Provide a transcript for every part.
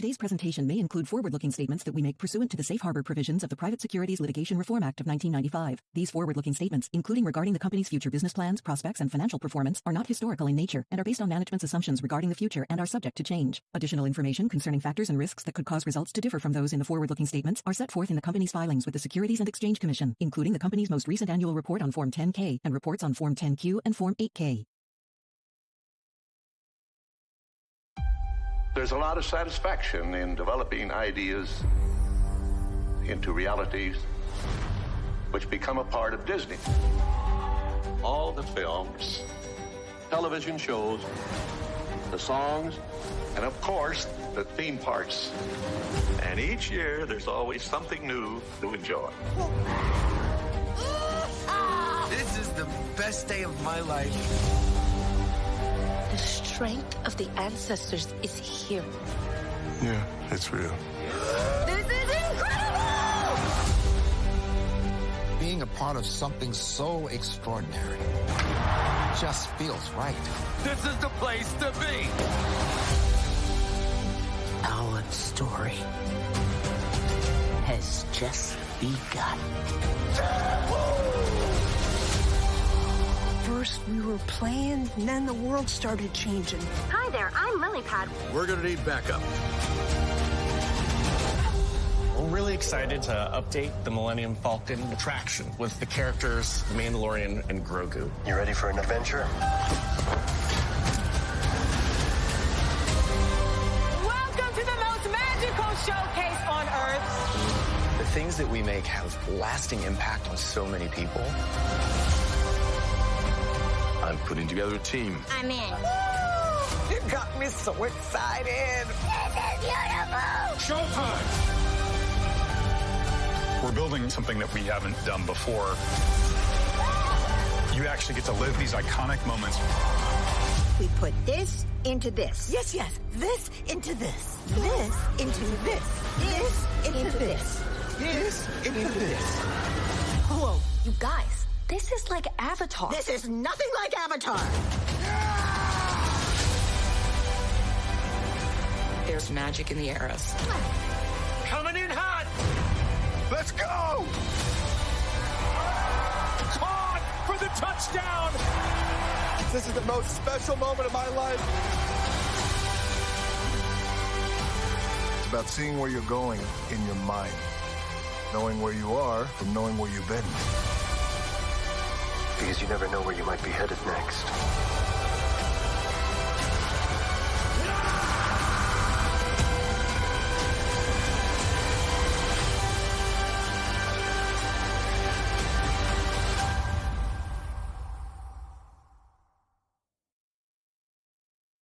Today's presentation may include forward-looking statements that we make pursuant to the safe harbor provisions of the Private Securities Litigation Reform Act of 1995. These forward-looking statements, including regarding the company's future business plans, prospects, and financial performance, are not historical in nature and are based on management's assumptions regarding the future and are subject to change. Additional information concerning factors and risks that could cause results to differ from those in the forward-looking statements are set forth in the company's filings with the Securities and Exchange Commission, including the company's most recent annual report on Form 10-K and reports on Form 10-Q and Form 8-K. There's a lot of satisfaction in developing ideas into realities which become a part of Disney. All the films, television shows, the songs, and of course, the theme parks. Each year there's always something new to enjoy. Whoa. Yee-haw. This is the best day of my life. The strength of the ancestors is here. Yeah, it's real. This is incredible. Being a part of something so extraordinary just feels right. This is the place to be. Our story has just begun. Yahoo. First we were playing, and then the world started changing. Hi there, I'm Lily Pad. We're gonna need backup. We're really excited to update the Millennium Falcon attraction with the characters The Mandalorian and Grogu. You ready for an adventure? Welcome to the most magical showcase on Earth. The things that we make have lasting impact on so many people. I'm putting together a team. I'm in. Woo. You got me so excited. This is beautiful. Showtime. We're building something that we haven't done before. You actually get to live these iconic moments. We put this into this. Yes, yes. This into this. Whoa, you guys, this is like Avatar. This is nothing like Avatar. Yeah. There's magic in the eras. Coming in hot. Let's go. Caught for the touchdown. This is the most special moment of my life. It's about seeing where you're going in your mind, knowing where you are, and knowing where you've been. Because you never know where you might be headed next.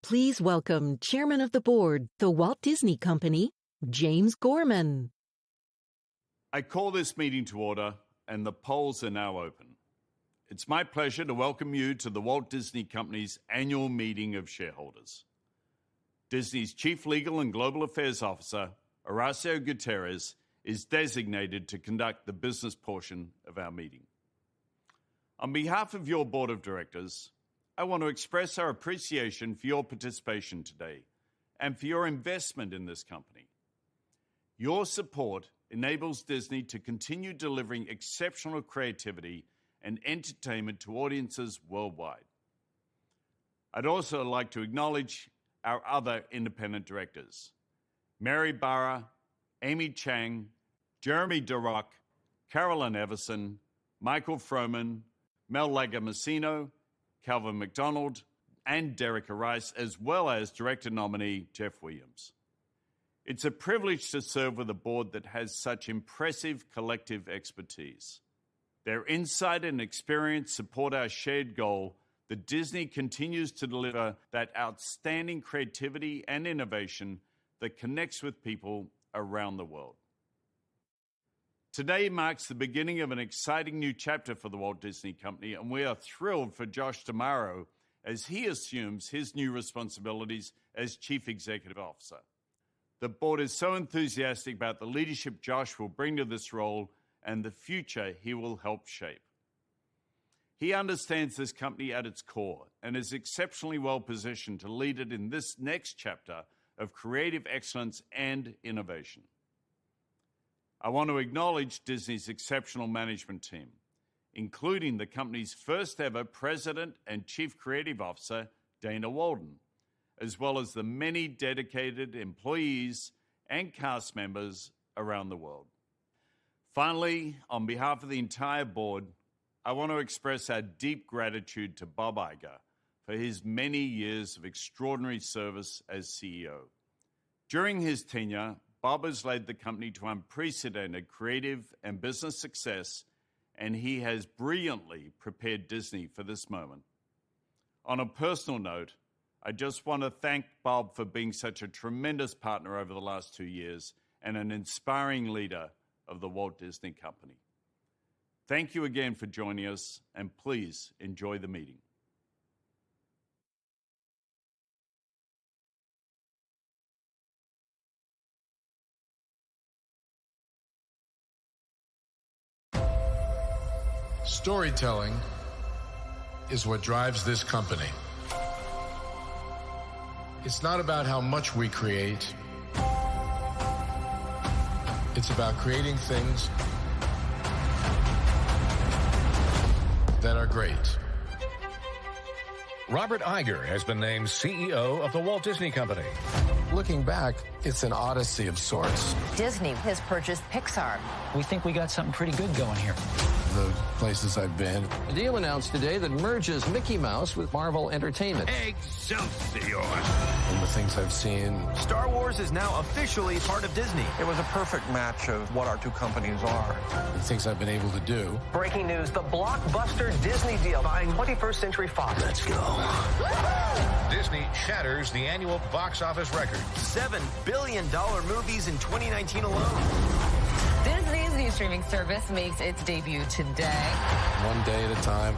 Please welcome Chairman of the Board, The Walt Disney Company, James Gorman. I call this meeting to order and the polls are now open. It's my pleasure to welcome you to The Walt Disney Company's Annual Meeting of Shareholders. Disney's Chief Legal and Global Affairs Officer, Horacio Gutierrez, is designated to conduct the business portion of our meeting. On behalf of your board of directors, I want to express our appreciation for your participation today and for your investment in this company. Your support enables Disney to continue delivering exceptional creativity and entertainment to audiences worldwide. I'd also like to acknowledge our other independent directors, Mary Barra, Amy Chang, Jeremy Darroch, Carolyn Everson, Michael Froman, Mel Lagomasino, Calvin McDonald, and Derica W. Rice, as well as Director Nominee, Jeff Williams. It's a privilege to serve with a board that has such impressive collective expertise. Their insight and experience support our shared goal that Disney continues to deliver that outstanding creativity and innovation that connects with people around the world. Today marks the beginning of an exciting new chapter for The Walt Disney Company, and we are thrilled for Josh D'Amaro as he assumes his new responsibilities as Chief Executive Officer. The board is so enthusiastic about the leadership Josh will bring to this role and the future he will help shape. He understands this company at its core and is exceptionally well-positioned to lead it in this next chapter of creative excellence and innovation. I want to acknowledge Disney's exceptional management team, including the company's first ever President and Chief Creative Officer, Dana Walden, as well as the many dedicated employees and cast members around the world. Finally, on behalf of the entire board, I want to express our deep gratitude to Bob Iger for his many years of extraordinary service as CEO. During his tenure, Bob has led the company to unprecedented creative and business success, and he has brilliantly prepared Disney for this moment. On a personal note, I just want to thank Bob for being such a tremendous partner over the last two years and an inspiring leader of The Walt Disney Company. Thank you again for joining us, and please enjoy the meeting. Storytelling is what drives this company. It's not about how much we create. It's about creating things that are great. Robert Iger has been named CEO of The Walt Disney Company. Looking back, it's an odyssey of sorts. Disney has purchased Pixar. We think we got something pretty good going here. The places I've been. A deal announced today that merges Mickey Mouse with Marvel Entertainment. Excelsior. The things I've seen. Star Wars is now officially part of Disney. It was a perfect match of what our two companies are. The things I've been able to do. Breaking news. The blockbuster Disney deal buying 21st Century Fox. Let's go. Woohoo. Disney shatters the annual box office record. $7 billion movies in 2019 alone. Disney's new streaming service makes its debut today. One day at a time.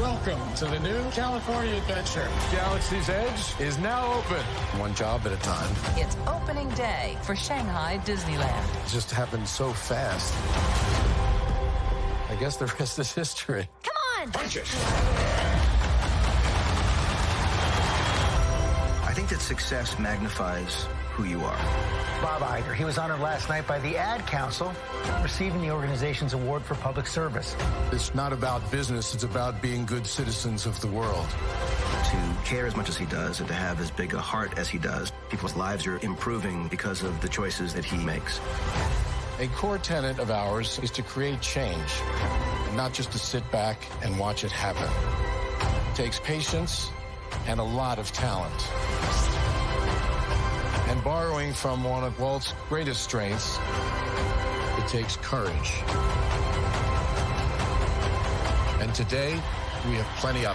Welcome to the new California Adventure. Galaxy's Edge is now open. One job at a time. It's opening day for Shanghai Disneyland. It just happened so fast. I guess the rest is history. Come on. Punch it. I think that success magnifies who you are. Bob Iger, he was honored last night by the Ad Council, receiving the organization's award for public service. It's not about business, it's about being good citizens of the world. To care as much as he does and to have as big a heart as he does, people's lives are improving because of the choices that he makes. A core tenet of ours is to create change and not just to sit back and watch it happen. It takes patience and a lot of talent. Borrowing from one of Walt's greatest strengths, it takes courage. Today, we have plenty of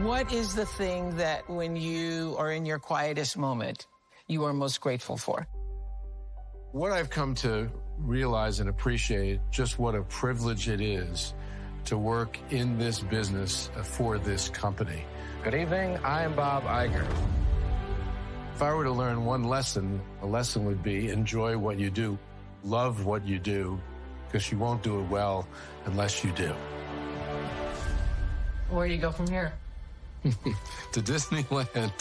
it. What is the thing that when you are in your quietest moment, you are most grateful for? What I've come to realize and appreciate just what a privilege it is to work in this business for this company. Good evening. I am Bob Iger. If I were to learn one lesson, the lesson would be enjoy what you do, love what you do, because you won't do it well unless you do. Where do you go from here? To Disneyland.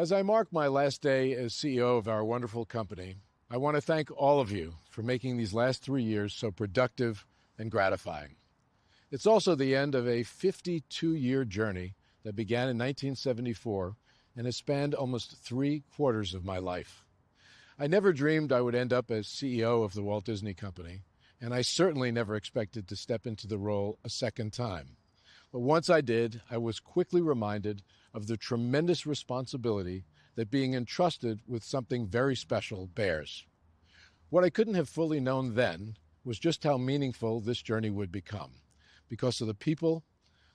As I mark my last day as CEO of our wonderful company, I want to thank all of you for making these last three years so productive and gratifying. It's also the end of a 52-year journey that began in 1974 and has spanned almost three-quarters of my life. I never dreamed I would end up as CEO of The Walt Disney Company, and I certainly never expected to step into the role a second time. Once I did, I was quickly reminded of the tremendous responsibility that being entrusted with something very special bears. What I couldn't have fully known then was just how meaningful this journey would become because of the people,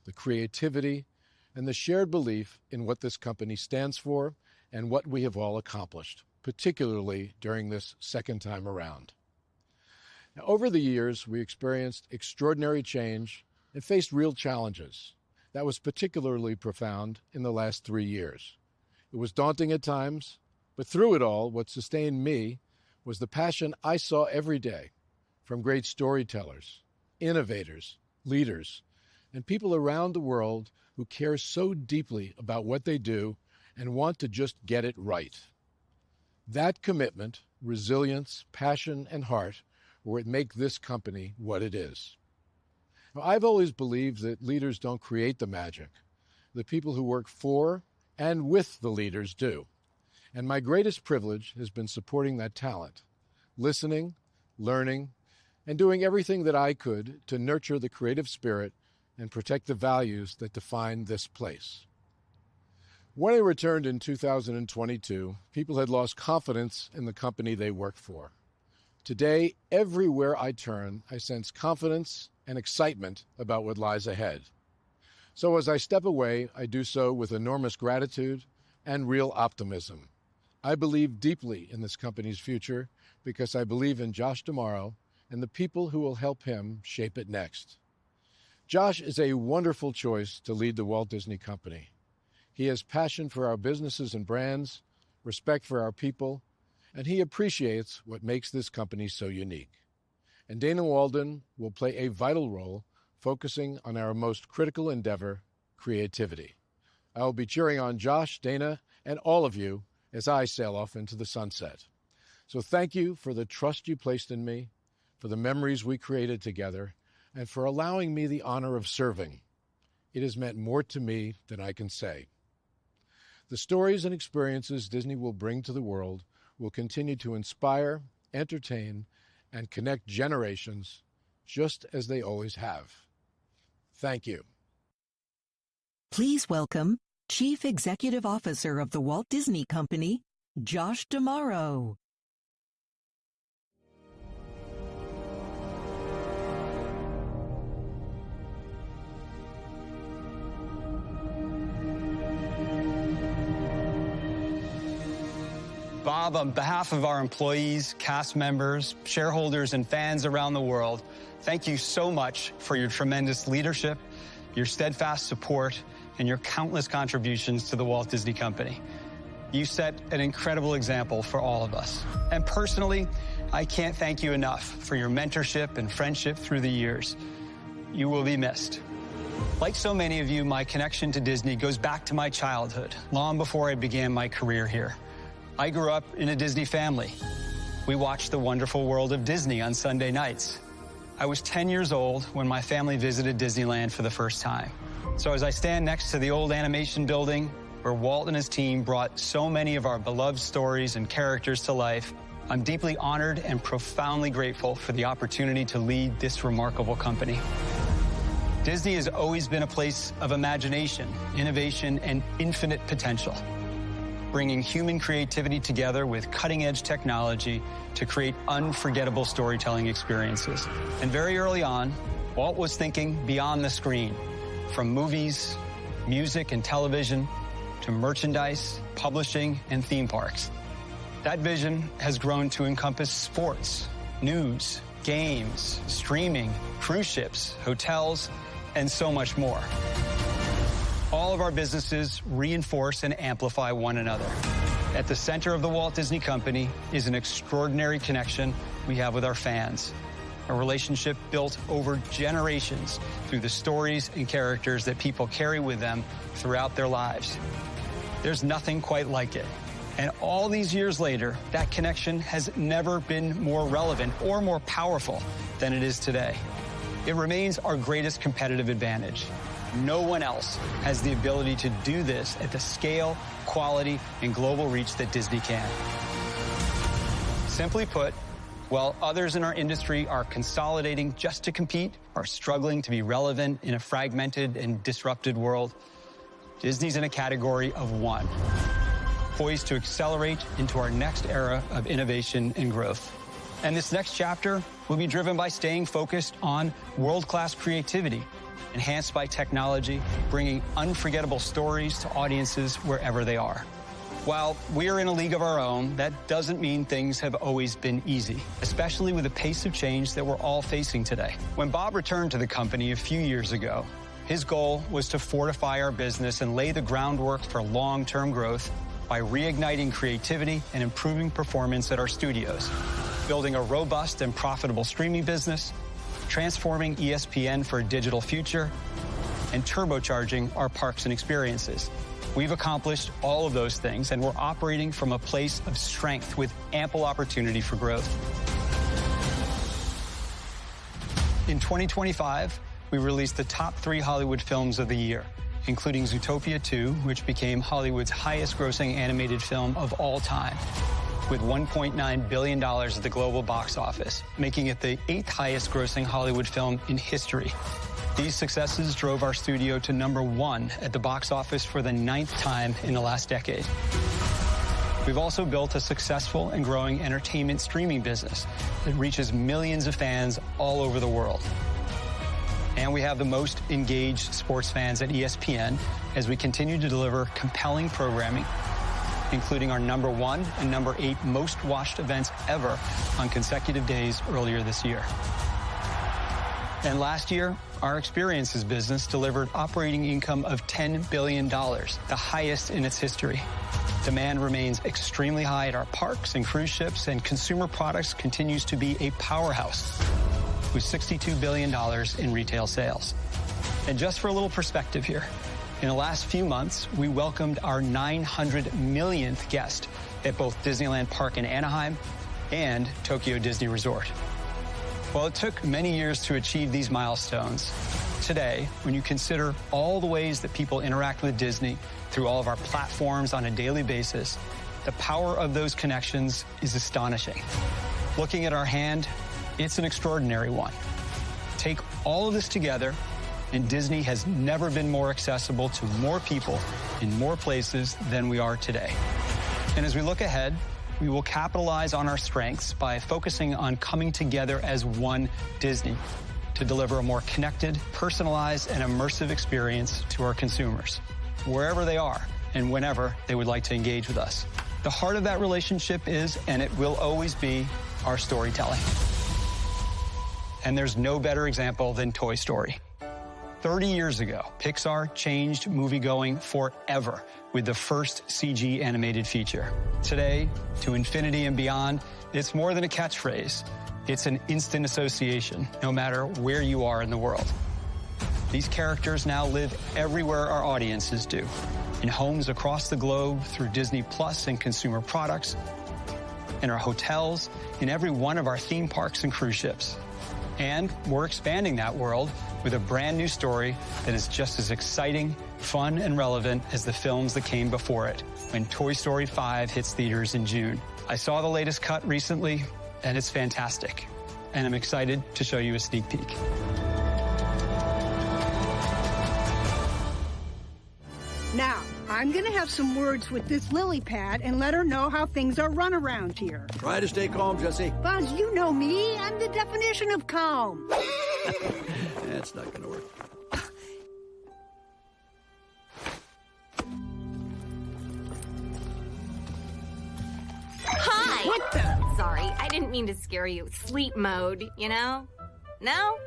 the creativity, and the shared belief in what this company stands for and what we have all accomplished, particularly during this second time around. Now, over the years, we experienced extraordinary change and faced real challenges. That was particularly profound in the last three years. It was daunting at times, but through it all, what sustained me was the passion I saw every day from great storytellers, innovators, leaders, and people around the world who care so deeply about what they do and want to just get it right. That commitment, resilience, passion, and heart are what make this company what it is. I've always believed that leaders don't create the magic, the people who work for and with the leaders do. My greatest privilege has been supporting that talent, listening, learning, and doing everything that I could to nurture the creative spirit and protect the values that define this place. When I returned in 2022, people had lost confidence in the company they worked for. Today, everywhere I turn, I sense confidence and excitement about what lies ahead. As I step away, I do so with enormous gratitude and real optimism. I believe deeply in this company's future because I believe in Josh D'Amaro and the people who will help him shape it next. Josh is a wonderful choice to lead The Walt Disney Company. He has passion for our businesses and brands, respect for our people, and he appreciates what makes this company so unique. Dana Walden will play a vital role focusing on our most critical endeavor, creativity. I'll be cheering on Josh, Dana, and all of you as I sail off into the sunset. Thank you for the trust you placed in me, for the memories we created together, and for allowing me the honor of serving. It has meant more to me than I can say. The stories and experiences Disney will bring to the world will continue to inspire, entertain, and connect generations just as they always have. Thank you. Please welcome Chief Executive Officer of The Walt Disney Company, Josh D'Amaro. Bob, on behalf of our employees, cast members, shareholders and fans around the world, thank you so much for your tremendous leadership, your steadfast support, and your countless contributions to The Walt Disney Company. You set an incredible example for all of us. Personally, I can't thank you enough for your mentorship and friendship through the years. You will be missed. Like so many of you, my connection to Disney goes back to my childhood, long before I began my career here. I grew up in a Disney family. We watched The Wonderful World of Disney on Sunday nights. I was ten years old when my family visited Disneyland for the first time. As I stand next to the old animation building where Walt and his team brought so many of our beloved stories and characters to life, I'm deeply honored and profoundly grateful for the opportunity to lead this remarkable company. Disney has always been a place of imagination, innovation and infinite potential, bringing human creativity together with cutting-edge technology to create unforgettable storytelling experiences. Very early on, Walt was thinking beyond the screen. From movies, music and television, to merchandise, publishing and theme parks. That vision has grown to encompass sports, news, games, streaming, cruise ships, hotels, and so much more. All of our businesses reinforce and amplify one another. At the center of the Walt Disney Company is an extraordinary connection we have with our fans. A relationship built over generations through the stories and characters that people carry with them throughout their lives. There's nothing quite like it, and all these years later, that connection has never been more relevant or more powerful than it is today. It remains our greatest competitive advantage. No one else has the ability to do this at the scale, quality, and global reach that Disney can. Simply put, while others in our industry are consolidating just to compete or struggling to be relevant in a fragmented and disrupted world, Disney's in a category of one, poised to accelerate into our next era of innovation and growth. This next chapter will be driven by staying focused on world-class creativity, enhanced by technology, bringing unforgettable stories to audiences wherever they are. While we are in a league of our own, that doesn't mean things have always been easy, especially with the pace of change that we're all facing today. When Bob returned to the company a few years ago, his goal was to fortify our business and lay the groundwork for long-term growth by reigniting creativity and improving performance at our studios. Building a robust and profitable streaming business, transforming ESPN for a digital future, and turbocharging our parks and experiences. We've accomplished all of those things, and we're operating from a place of strength with ample opportunity for growth. In 2025, we released the top three Hollywood films of the year, including Zootopia 2, which became Hollywood's highest grossing animated film of all time with $1.9 billion at the global box office, making it the eighth highest grossing Hollywood film in history. These successes drove our studio to number one at the box office for the ninth time in the last decade. We've also built a successful and growing entertainment streaming business that reaches millions of fans all over the world. We have the most engaged sports fans at ESPN as we continue to deliver compelling programming, including our number one and number eight most watched events ever on consecutive days earlier this year. Last year, our experiences business delivered operating income of $10 billion, the highest in its history. Demand remains extremely high at our parks and cruise ships, and consumer products continues to be a powerhouse with $62 billion in retail sales. Just for a little perspective here, in the last few months, we welcomed our 900 millionth guest at both Disneyland Park in Anaheim and Tokyo Disney Resort. While it took many years to achieve these milestones, today, when you consider all the ways that people interact with Disney through all of our platforms on a daily basis, the power of those connections is astonishing. Looking at our hand, it's an extraordinary one. Take all of this together, and Disney has never been more accessible to more people in more places than we are today. As we look ahead, we will capitalize on our strengths by focusing on coming together as one Disney to deliver a more connected, personalized and immersive experience to our consumers, wherever they are and whenever they would like to engage with us. The heart of that relationship is and it will always be our storytelling. There's no better example than Toy Story. 30 years ago, Pixar changed movie-going forever with the first CG animated feature. Today, to infinity and beyond, it's more than a catchphrase, it's an instant association, no matter where you are in the world. These characters now live everywhere our audiences do. In homes across the globe, through Disney+ and consumer products, in our hotels, in every one of our theme parks and cruise ships. We're expanding that world with a brand-new story that is just as exciting, fun and relevant as the films that came before it when Toy Story 5 hits theaters in June. I saw the latest cut recently, and it's fantastic, and I'm excited to show you a sneak peek. Now, I'm gonna have some words with this Lily Pad and let her know how things are run around here. Try to stay calm, Jessie. Buzz, you know me. I'm the definition of calm. That's not gonna work. Hi. What the- Sorry, I didn't mean to scare you. Sleep mode, you know? No?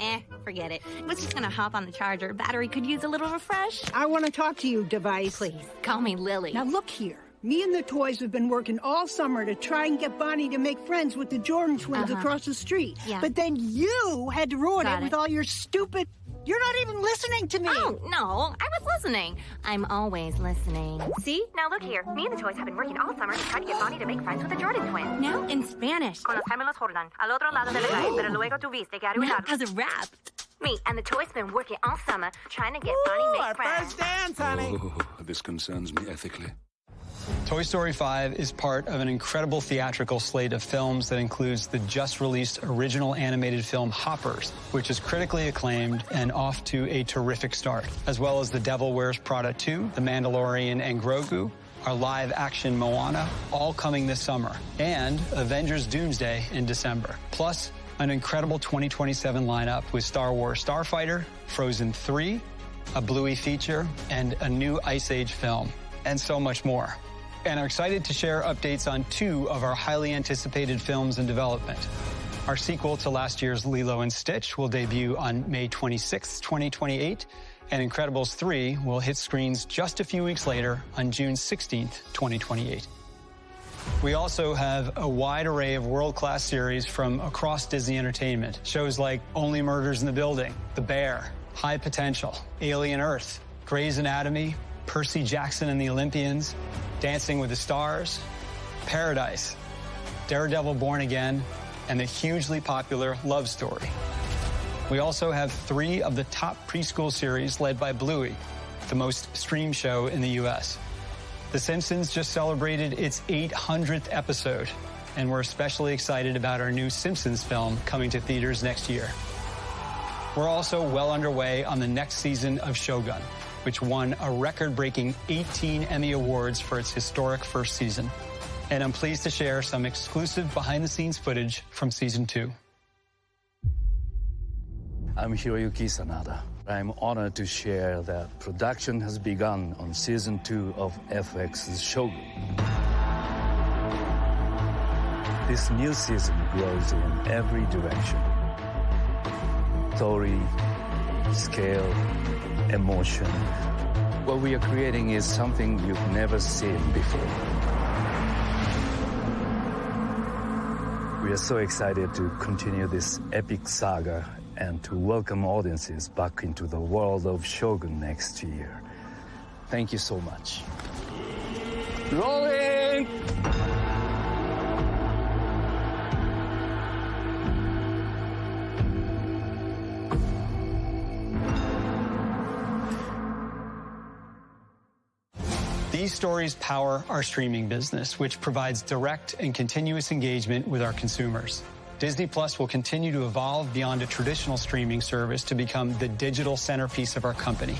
Eh, forget it. Was just gonna hop on the charger. Battery could use a little refresh. I wanna talk to you, device. Please, call me Lily. Now, look here. Me and the toys have been working all summer to try and get Bonnie to make friends with the Jordan twins- Uh-huh across the street. Yeah. You had to ruin it. Got it. With all your stupid. You're not even listening to me. Oh, no, I was listening. I'm always listening. See? Now, look here. Me and the toys have been working all summer to try to get Bonnie to make friends with the Jordan twins. Now in Spanish. Con los gemelos Jordan. Al otro lado de la calle. Pero luego tú viste y arruinaste. Now as a rap. Me and the toys been working all summer, trying to get Bonnie to make friends. Ooh, our first dance, honey. Oh, this concerns me ethically. Toy Story 5 is part of an incredible theatrical slate of films that includes the just-released original animated film Hoppers, which is critically acclaimed and off to a terrific start, as well as The Devil Wears Prada 2, The Mandalorian and Grogu, our live-action Moana, all coming this summer, and Avengers Doomsday in December. An incredible 2027 lineup with Star Wars Starfighter, Frozen 3, a Bluey feature, and a new Ice Age film, and so much more. We are excited to share updates on two of our highly anticipated films in development. Our sequel to last year's Lilo & Stitch will debut on May 26th, 2028, and Incredibles 3 will hit screens just a few weeks later on June 16th, 2028. We also have a wide array of world-class series from across Disney Entertainment. Shows like Only Murders in the Building, The Bear, High Potential, Alien: Earth, Grey's Anatomy, Percy Jackson and the Olympians, Dancing with the Stars, Bachelor in Paradise, Daredevil: Born Again, and the hugely popular Love, Simon. We also have three of the top preschool series led by Bluey, the most streamed show in the US. The Simpsons just celebrated its 800th episode, and we're especially excited about our new Simpsons film coming to theaters next year. We're also well underway on the next season of Shōgun, which won a record-breaking 18 Emmy Awards for its historic first season. I'm pleased to share some exclusive behind-the-scenes footage from Season Two, I'm Hiroyuki Sanada. I'm honored to share that production has begun on Season Two of FX's Shōgun. This new season grows in every direction, story, scale, emotion. What we are creating is something you've never seen before. We are so excited to continue this epic saga and to welcome audiences back into the world of Shōgun next year. Thank you so much. Rolling. These stories power our streaming business, which provides direct and continuous engagement with our consumers. Disney+ will continue to evolve beyond a traditional streaming service to become the digital centerpiece of our company,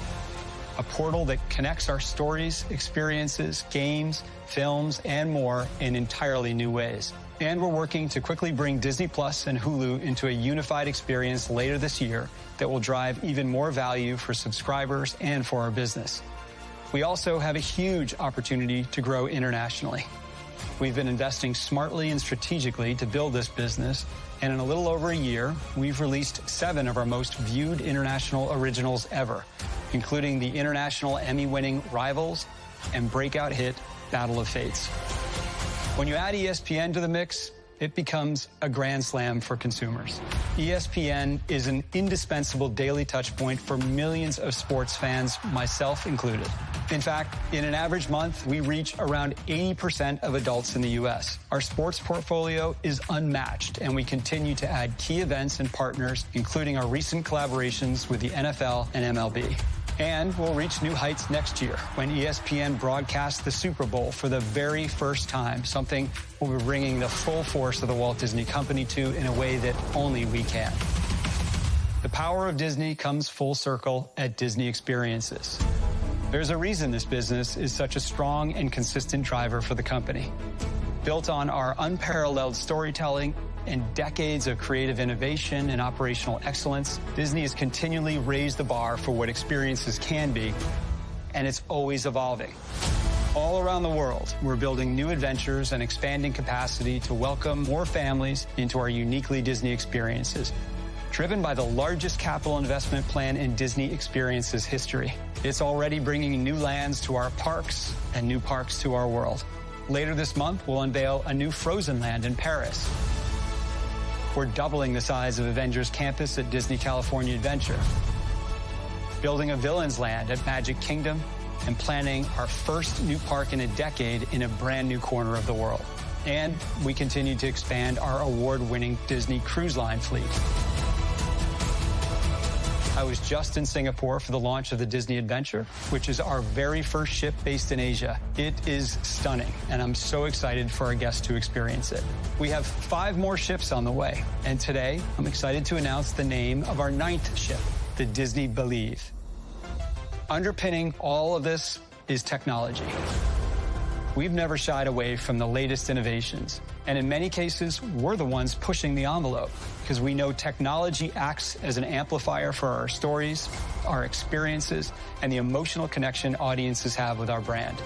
a portal that connects our stories, experiences, games, films, and more in entirely new ways. We're working to quickly bring Disney+ and Hulu into a unified experience later this year that will drive even more value for subscribers and for our business. We also have a huge opportunity to grow internationally. We've been investing smartly and strategically to build this business, and in a little over a year, we've released seven of our most viewed international originals ever, including the international Emmy-winning Rivals and breakout hit Battle of Fates. When you add ESPN to the mix, it becomes a grand slam for consumers. ESPN is an indispensable daily touchpoint for millions of sports fans, myself included. In fact, in an average month, we reach around 80% of adults in the U.S. Our sports portfolio is unmatched, and we continue to add key events and partners, including our recent collaborations with the NFL and MLB. We'll reach new heights next year when ESPN broadcasts the Super Bowl for the very first time, something we'll be bringing the full force of The Walt Disney Company to in a way that only we can. The power of Disney comes full circle at Disney Experiences. There's a reason this business is such a strong and consistent driver for the company. Built on our unparalleled storytelling and decades of creative innovation and operational excellence, Disney has continually raised the bar for what experiences can be, and it's always evolving. All around the world, we're building new adventures and expanding capacity to welcome more families into our uniquely Disney experiences, driven by the largest capital investment plan in Disney Experiences history. It's already bringing new lands to our parks and new parks to our world. Later this month, we'll unveil a new Frozen land in Paris. We're doubling the size of Avengers Campus at Disney California Adventure, building a Villains Land at Magic Kingdom, and planning our first new park in a decade in a brand-new corner of the world. We continue to expand our award-winning Disney Cruise Line fleet. I was just in Singapore for the launch of the Disney Adventure, which is our very first ship based in Asia. It is stunning, and I'm so excited for our guests to experience it. We have five more ships on the way, and today I'm excited to announce the name of our ninth ship, the Disney Believe. Underpinning all of this is technology. We've never shied away from the latest innovations, and in many cases, we're the ones pushing the envelope because we know technology acts as an amplifier for our stories, our experiences, and the emotional connection audiences have with our brand.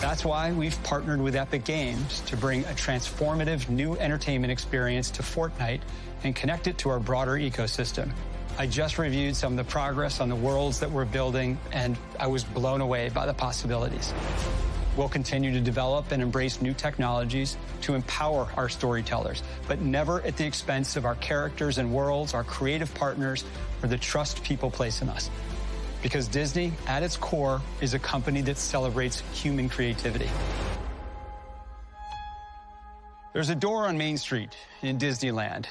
That's why we've partnered with Epic Games to bring a transformative new entertainment experience to Fortnite and connect it to our broader ecosystem. I just reviewed some of the progress on the worlds that we're building, and I was blown away by the possibilities. We'll continue to develop and embrace new technologies to empower our storytellers, but never at the expense of our characters and worlds, our creative partners, or the trust people place in us. Because Disney, at its core, is a company that celebrates human creativity. There's a door on Main Street in Disneyland.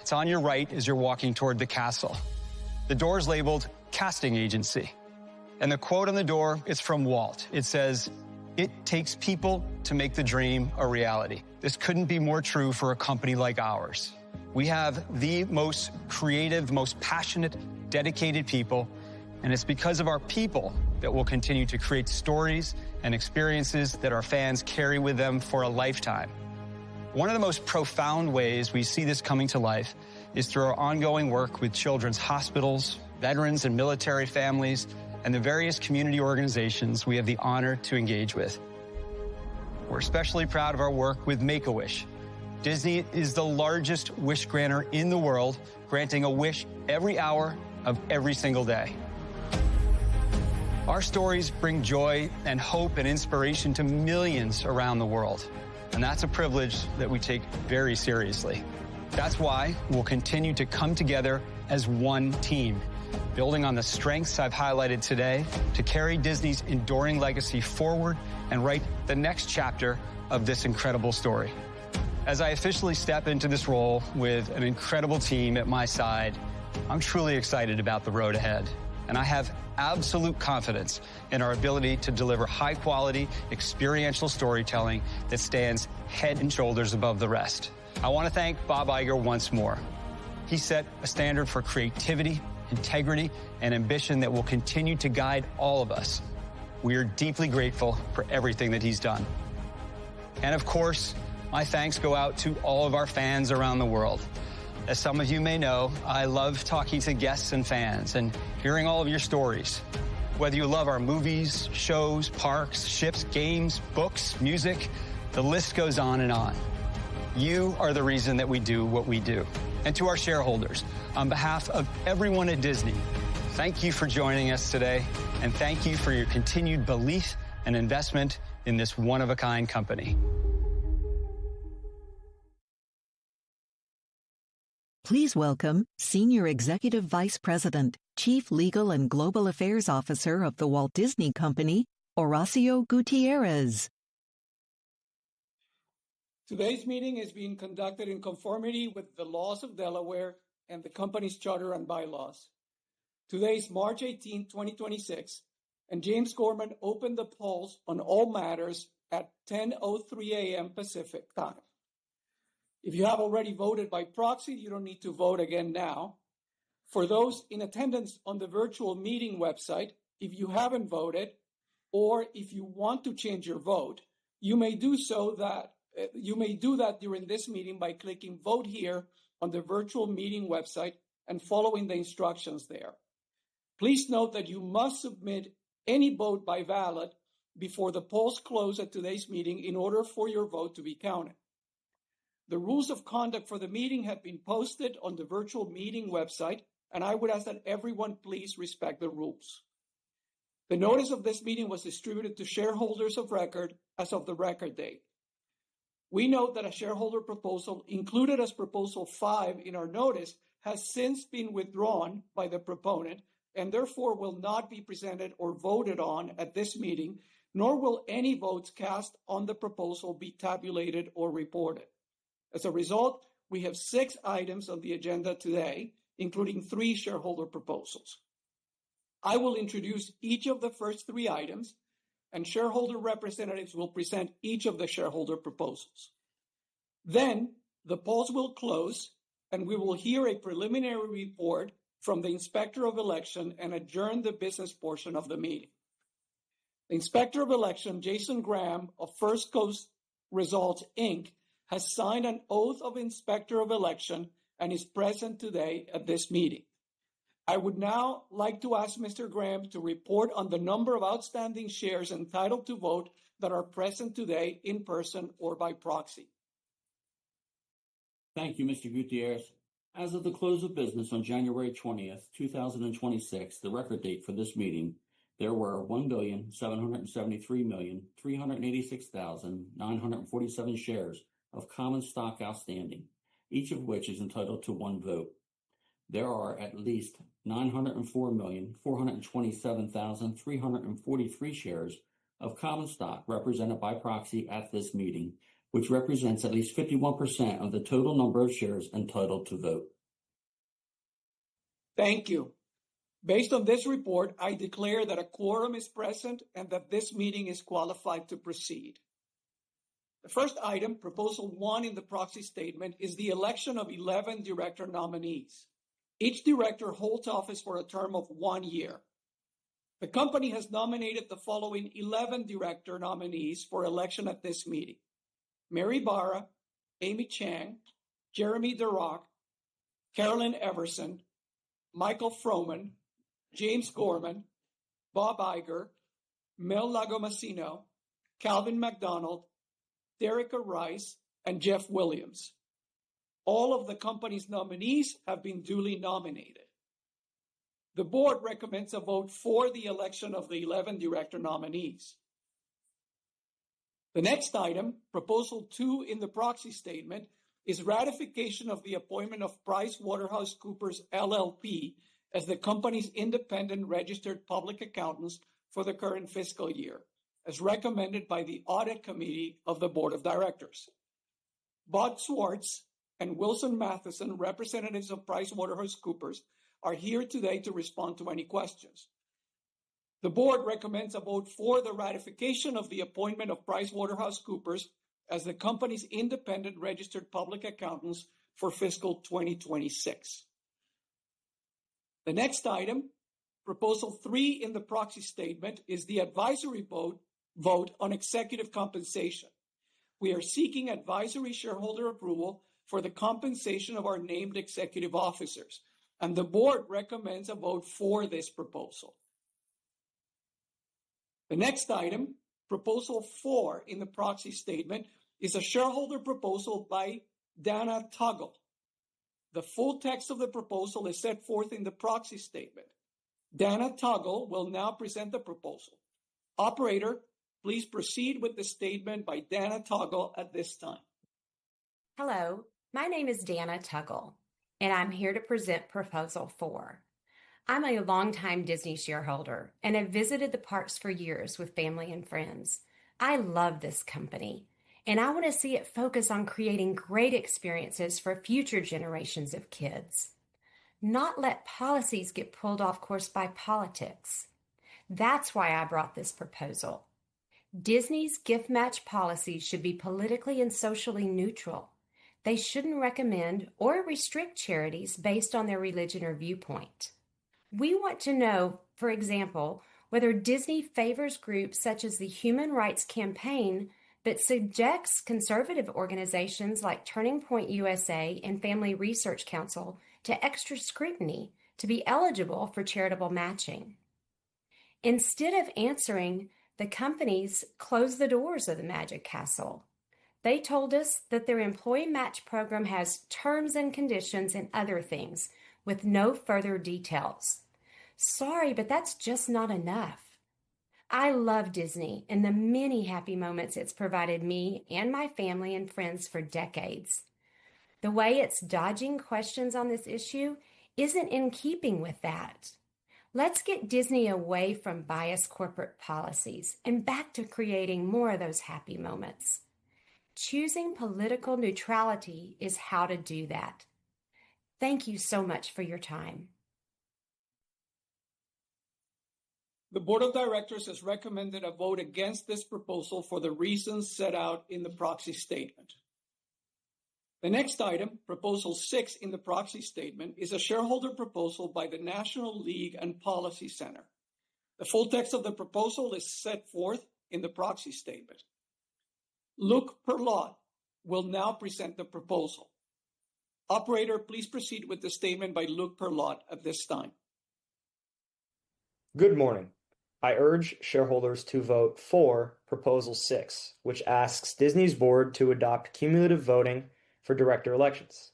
It's on your right as you're walking toward the castle. The door is labeled Casting Agency, and the quote on the door is from Walt. It says, "It takes people to make the dream a reality." This couldn't be more true for a company like ours. We have the most creative, most passionate, dedicated people, and it's because of our people that we'll continue to create stories and experiences that our fans carry with them for a lifetime. One of the most profound ways we see this coming to life is through our ongoing work with children's hospitals, veterans and military families, and the various community organizations we have the honor to engage with. We're especially proud of our work with Make-A-Wish. Disney is the largest wish granter in the world, granting a wish every hour of every single day. Our stories bring joy and hope and inspiration to millions around the world, and that's a privilege that we take very seriously. That's why we'll continue to come together as one team, building on the strengths I've highlighted today to carry Disney's enduring legacy forward and write the next chapter of this incredible story. As I officially step into this role with an incredible team at my side, I'm truly excited about the road ahead, and I have absolute confidence in our ability to deliver high-quality experiential storytelling that stands head and shoulders above the rest. I want to thank Bob Iger once more. He set a standard for creativity, integrity, and ambition that will continue to guide all of us. We are deeply grateful for everything that he's done. Of course, my thanks go out to all of our fans around the world. As some of you may know, I love talking to guests and fans and hearing all of your stories. Whether you love our movies, shows, parks, ships, games, books, music, the list goes on and on. You are the reason that we do what we do. To our shareholders, on behalf of everyone at Disney, thank you for joining us today and thank you for your continued belief and investment in this one-of-a-kind company. Please welcome Senior Executive Vice President, Chief Legal and Global Affairs Officer of The Walt Disney Company, Horacio Gutierrez. Today's meeting is being conducted in conformity with the laws of Delaware and the company's charter and bylaws. Today is March 18, 2026. James Gorman opened the polls on all matters at 10:03 AM. Pacific Time. If you have already voted by proxy, you don't need to vote again now. For those in attendance on the virtual meeting website, if you haven't voted or if you want to change your vote, you may do that during this meeting by clicking Vote Here on the virtual meeting website and following the instructions there. Please note that you must submit any vote by ballot before the polls close at today's meeting in order for your vote to be counted. The rules of conduct for the meeting have been posted on the virtual meeting website, and I would ask that everyone please respect the rules. The notice of this meeting was distributed to shareholders of record as of the record date. We note that a shareholder proposal included as proposal five in our notice has since been withdrawn by the proponent and therefore will not be presented or voted on at this meeting, nor will any votes cast on the proposal be tabulated or reported. As a result, we have six items on the agenda today, including three shareholder proposals. I will introduce each of the first three items, and shareholder representatives will present each of the shareholder proposals. Then the polls will close, and we will hear a preliminary report from the Inspector of Election and adjourn the business portion of the meeting. The Inspector of Election, Jason Graham of First Coast Results, Inc., has signed an oath of Inspector of Election and is present today at this meeting. I would now like to ask Mr. Graham to report on the number of outstanding shares entitled to vote that are present today in person or by proxy. Thank you, Mr. Gutierrez. As of the close of business on January 20, 2026, the record date for this meeting, there were 1,773,386,947 shares of common stock outstanding, each of which is entitled to one vote. There are at least 904,427,343 shares of common stock represented by proxy at this meeting, which represents at least 51% of the total number of shares entitled to vote. Thank you. Based on this report, I declare that a quorum is present and that this meeting is qualified to proceed. The first item, Proposal One in the proxy statement, is the election of 11 director nominees. Each director holds office for a term of one year. The company has nominated the following 11 director nominees for election at this meeting. Mary Barra, Amy Chang, Jeremy Darroch, Carolyn Everson, Michael Froman, James Gorman, Bob Iger, Mel Lagomasino, Calvin McDonald, Derica W. Rice, and Jeff Williams. All of the company's nominees have been duly nominated. The board recommends a vote for the election of the 11 director nominees. The next item, Proposal Two in the proxy statement, is ratification of the appointment of PricewaterhouseCoopers, LLP as the company's independent registered public accountants for the current fiscal year, as recommended by the Audit Committee of the Board of Directors. Bud Schwartz and Wilson Matheson, representatives of PricewaterhouseCoopers, are here today to respond to any questions. The board recommends a vote for the ratification of the appointment of PricewaterhouseCoopers as the company's independent registered public accountants for fiscal 2026. The next item, Proposal Three in the proxy statement, is the advisory vote on executive compensation. We are seeking advisory shareholder approval for the compensation of our named executive officers, and the board recommends a vote for this proposal. The next item, Proposal Four in the proxy statement, is a shareholder proposal by Dana Tuggle. The full text of the proposal is set forth in the proxy statement. Dana Tuggle will now present the proposal. Operator, please proceed with the statement by Dana Tuggle at this time. Hello, my name is Dana Tuggle, and I'm here to present Proposal Four. I'm a longtime Disney shareholder and have visited the parks for years with family and friends. I love this company, and I want to see it focus on creating great experiences for future generations of kids, not let policies get pulled off course by politics. That's why I brought this proposal. Disney's gift match policy should be politically and socially neutral. They shouldn't recommend or restrict charities based on their religion or viewpoint. We want to know, for example, whether Disney favors groups such as the Human Rights Campaign that subjects conservative organizations like Turning Point USA and Family Research Council to extra scrutiny to be eligible for charitable matching. Instead of answering, the companies closed the doors of the Magic Kingdom. They told us that their employee match program has terms and conditions and other things with no further details. Sorry, but that's just not enough. I love Disney and the many happy moments it's provided me and my family and friends for decades. The way it's dodging questions on this issue isn't in keeping with that. Let's get Disney away from biased corporate policies and back to creating more of those happy moments. Choosing political neutrality is how to do that. Thank you so much for your time. The board of directors has recommended a vote against this proposal for the reasons set out in the proxy statement. The next item, Proposal Six in the proxy statement, is a shareholder proposal by the National Legal and Policy Center. The full text of the proposal is set forth in the proxy statement. Luc Pirlot will now present the proposal. Operator, please proceed with the statement by Luc Pirlot at this time. Good morning. I urge shareholders to vote for Proposal Six, which asks Disney's board to adopt cumulative voting for director elections.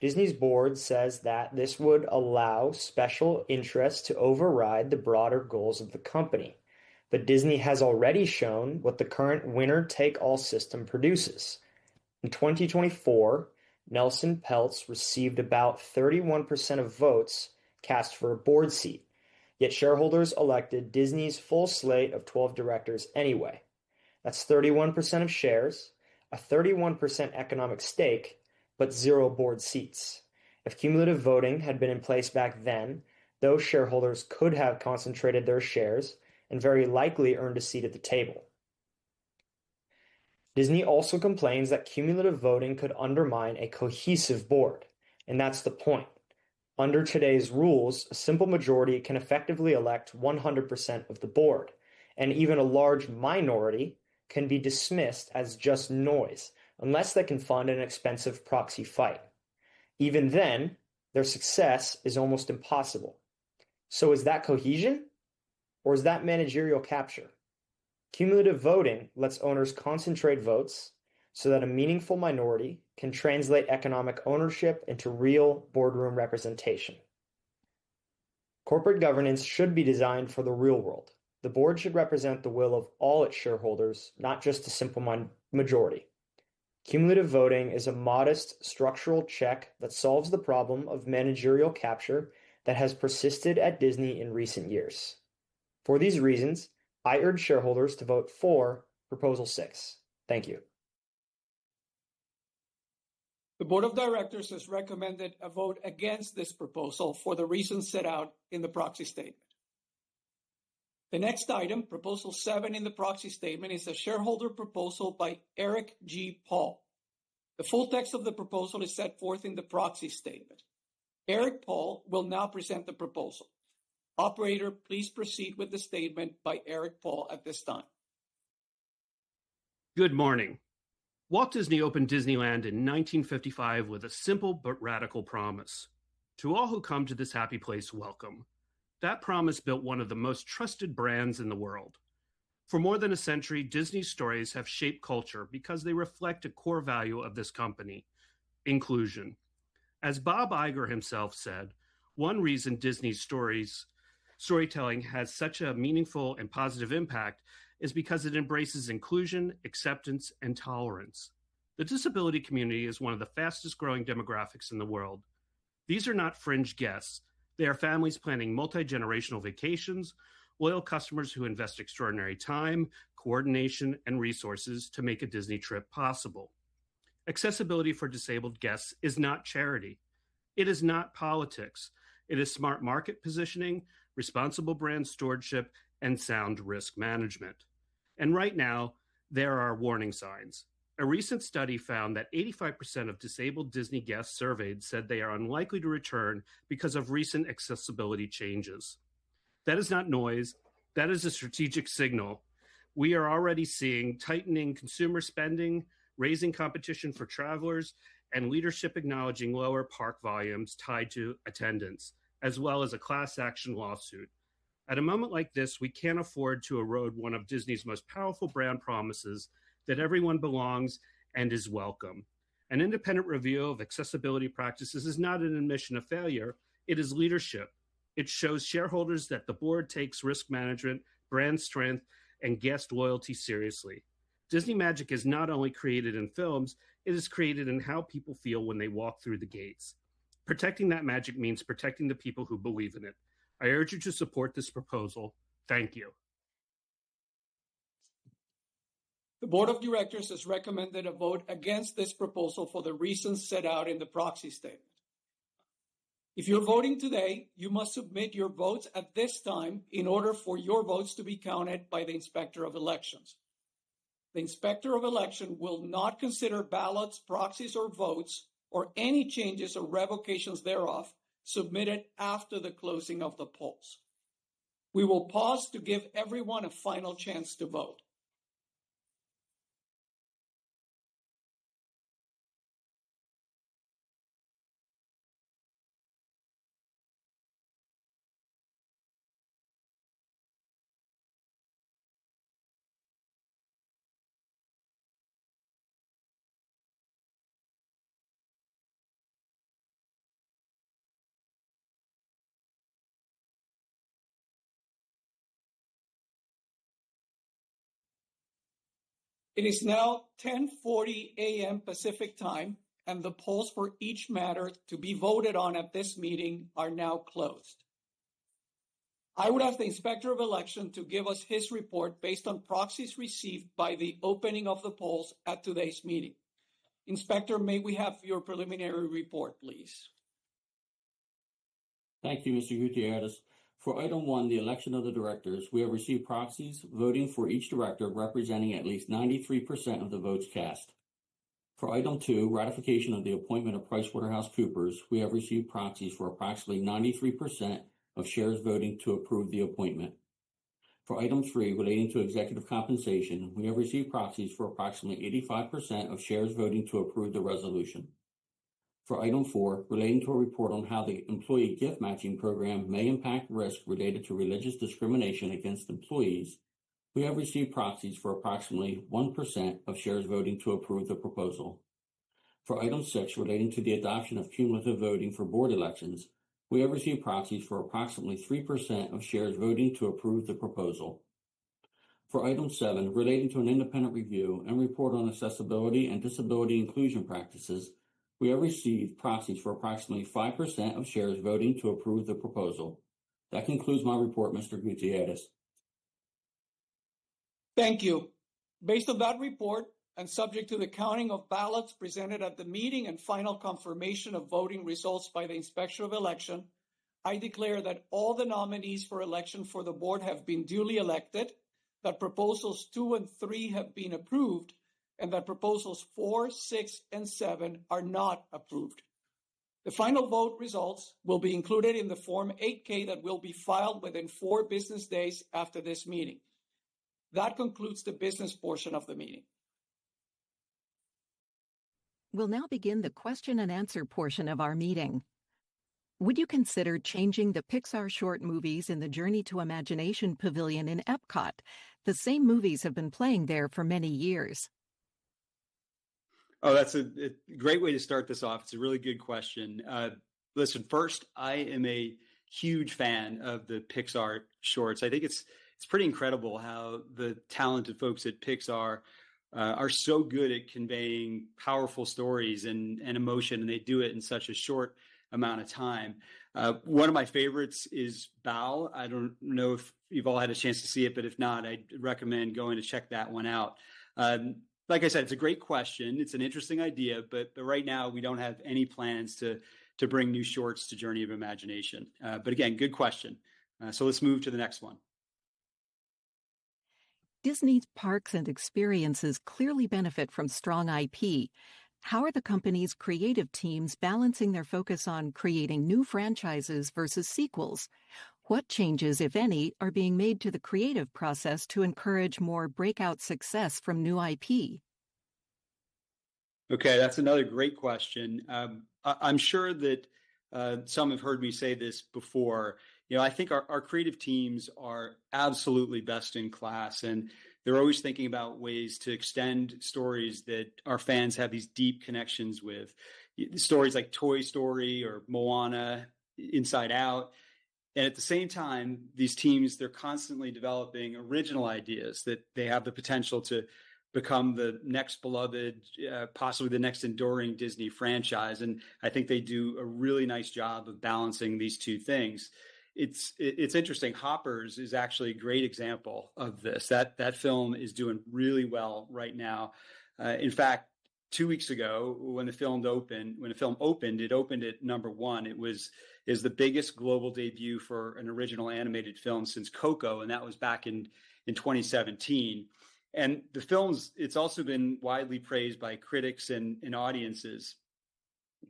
Disney's board says that this would allow special interests to override the broader goals of the company. Disney has already shown what the current winner-take-all system produces. In 2024, Nelson Peltz received about 31% of votes cast for a board seat. Yet shareholders elected Disney's full slate of 12 directors anyway. That's 31% of shares, a 31% economic stake, but zero board seats. If cumulative voting had been in place back then, those shareholders could have concentrated their shares and very likely earned a seat at the table. Disney also complains that cumulative voting could undermine a cohesive board, and that's the point. Under today's rules, a simple majority can effectively elect 100% of the board, and even a large minority can be dismissed as just noise unless they can fund an expensive proxy fight. Even then, their success is almost impossible. Is that cohesion or is that managerial capture? Cumulative voting lets owners concentrate votes so that a meaningful minority can translate economic ownership into real boardroom representation. Corporate governance should be designed for the real world. The board should represent the will of all its shareholders, not just the simple majority. Cumulative voting is a modest structural check that solves the problem of managerial capture that has persisted at Disney in recent years. For these reasons, I urge shareholders to vote for Proposal Six. Thank you. The board of directors has recommended a vote against this proposal for the reasons set out in the proxy statement. The next item, Proposal Seven in the proxy statement, is a shareholder proposal by Erik G. Paul. The full text of the proposal is set forth in the proxy statement. Erik Paul will now present the proposal. Operator, please proceed with the statement by Erik Paul at this time. Good morning. Walt Disney opened Disneyland in 1955 with a simple but radical promise, "To all who come to this happy place, welcome." That promise built one of the most trusted brands in the world. For more than a century, Disney stories have shaped culture because they reflect a core value of this company, inclusion. As Bob Iger himself said, one reason Disney's storytelling has such a meaningful and positive impact is because it embraces inclusion, acceptance, and tolerance. The disability community is one of the fastest-growing demographics in the world. These are not fringe guests. They are families planning multi-generational vacations, loyal customers who invest extraordinary time, coordination, and resources to make a Disney trip possible. Accessibility for disabled guests is not charity. It is not politics. It is smart market positioning, responsible brand stewardship, and sound risk management. Right now, there are warning signs. A recent study found that 85% of disabled Disney guests surveyed said they are unlikely to return because of recent accessibility changes. That is not noise. That is a strategic signal. We are already seeing tightening consumer spending, raising competition for travelers, and leadership acknowledging lower park volumes tied to attendance, as well as a class action lawsuit. At a moment like this, we can't afford to erode one of Disney's most powerful brand promises that everyone belongs and is welcome. An independent review of accessibility practices is not an admission of failure. It is leadership. It shows shareholders that the board takes risk management, brand strength, and guest loyalty seriously. Disney magic is not only created in films, it is created in how people feel when they walk through the gates. Protecting that magic means protecting the people who believe in it. I urge you to support this proposal. Thank you. The board of directors has recommended a vote against this proposal for the reasons set out in the proxy statement. If you're voting today, you must submit your votes at this time in order for your votes to be counted by the Inspector of Elections. The Inspector of Election will not consider ballots, proxies, or votes, or any changes or revocations thereof, submitted after the closing of the polls. We will pause to give everyone a final chance to vote. It is now 10:40 AM. Pacific Time, and the polls for each matter to be voted on at this meeting are now closed. I would ask the Inspector of Election to give us his report based on proxies received by the opening of the polls at today's meeting. Inspector, may we have your preliminary report, please? Thank you, Mr. Gutierrez. For Item One, the election of the directors, we have received proxies voting for each director representing at least 93% of the votes cast. For Item Two, ratification of the appointment of PricewaterhouseCoopers, we have received proxies for approximately 93% of shares voting to approve the appointment. For Item Three, relating to executive compensation, we have received proxies for approximately 85% of shares voting to approve the resolution. For Item Four, relating to a report on how the employee gift matching program may impact risk related to religious discrimination against employees, we have received proxies for approximately 1% of shares voting to approve the proposal. For Item Six, relating to the adoption of cumulative voting for board elections, we have received proxies for approximately 3% of shares voting to approve the proposal. For Item Seven, relating to an independent review and report on accessibility and disability inclusion practices, we have received proxies for approximately 5% of shares voting to approve the proposal. That concludes my report, Mr. Gutierrez. Thank you. Based on that report, and subject to the counting of ballots presented at the meeting and final confirmation of voting results by the Inspector of Election, I declare that all the nominees for election for the board have been duly elected, that Proposals Two and Three have been approved, and that Proposals Four, Six, and Seven are not approved. The final vote results will be included in the Form 8-K that will be filed within four business days after this meeting. That concludes the business portion of the meeting. We'll now begin the question and answer portion of our meeting. Would you consider changing the Pixar short movies in the Journey Into Imagination pavilion in Epcot? The same movies have been playing there for many years. That's a great way to start this off. It's a really good question. Listen, first, I am a huge fan of the Pixar shorts. I think it's pretty incredible how the talented folks at Pixar are so good at conveying powerful stories and emotion, and they do it in such a short amount of time. One of my favorites is Bao. I don't know if you've all had a chance to see it, but if not, I'd recommend going to check that one out. Like I said, it's a great question. It's an interesting idea, but right now we don't have any plans to bring new shorts to Journey Into Imagination. Again, good question. Let's move to the next one. Disney's parks and experiences clearly benefit from strong IP. How are the company's creative teams balancing their focus on creating new franchises versus sequels? What changes, if any, are being made to the creative process to encourage more breakout success from new IP? Okay, that's another great question. I'm sure that some have heard me say this before. You know, I think our creative teams are absolutely best in class, and they're always thinking about ways to extend stories that our fans have these deep connections with. Stories like Toy Story or Moana, Inside Out, and at the same time, these teams, they're constantly developing original ideas that they have the potential to become the next beloved, possibly the next enduring Disney franchise, and I think they do a really nice job of balancing these two things. It's interesting. Hoppers is actually a great example of this. That film is doing really well right now. In fact, two weeks ago when the film opened, it opened at number one. It is the biggest global debut for an original animated film since Coco, and that was back in 2017. The film is also been widely praised by critics and audiences.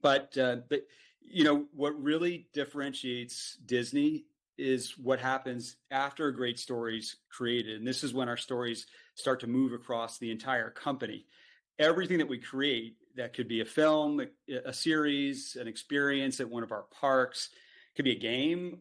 You know, what really differentiates Disney is what happens after a great story's created, and this is when our stories start to move across the entire company. Everything that we create, that could be a film, a series, an experience at one of our parks, could be a game,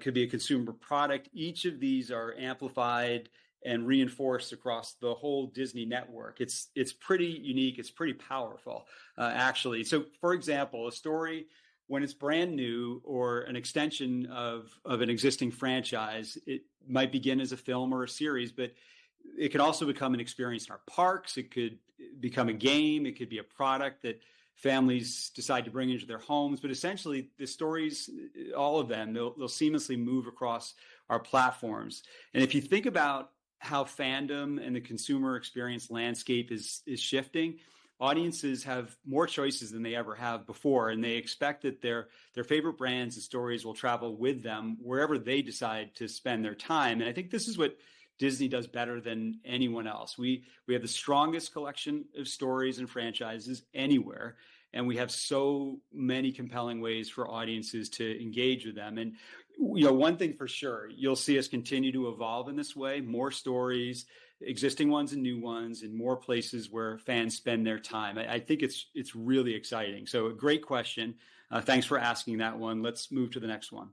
could be a consumer product. Each of these are amplified and reinforced across the whole Disney network. It's pretty unique. It's pretty powerful, actually. For example, a story when it's brand new or an extension of an existing franchise, it might begin as a film or a series, but it could also become an experience in our parks. It could become a game. It could be a product that families decide to bring into their homes. Essentially, the stories, all of them, they'll seamlessly move across our platforms. If you think about how fandom and the consumer experience landscape is shifting, audiences have more choices than they ever have before, and they expect that their favorite brands and stories will travel with them wherever they decide to spend their time. I think this is what Disney does better than anyone else. We have the strongest collection of stories and franchises anywhere, and we have so many compelling ways for audiences to engage with them. You know, one thing for sure, you'll see us continue to evolve in this way, more stories, existing ones and new ones, in more places where fans spend their time. I think it's really exciting. A great question. Thanks for asking that one. Let's move to the next one.